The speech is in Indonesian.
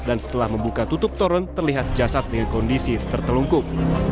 dan setelah membuka tutup toren terlihat jasad dengan kondisi tertelungkup